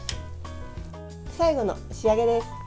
最後の仕上げです。